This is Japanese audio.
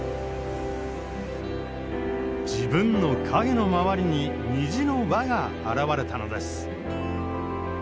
自分の影の周りに虹の輪が現れたのです。